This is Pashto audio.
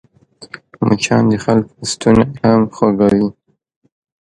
مچان د خلکو ستونی هم خوږوي